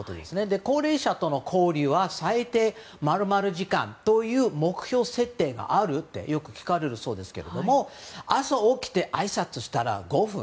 高齢者との交流は最低、○○時間という目標設定がある？とよく聞かれるそうですが朝起きて、あいさつしたら５分？